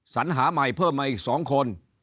สัญหาใหม่เพิ่มมาอีก๒คน